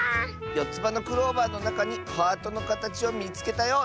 「よつばのクローバーのなかにハートのかたちをみつけたよ！」